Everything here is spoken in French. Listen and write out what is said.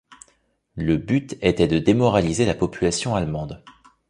Le but était de démoraliser la population allemande.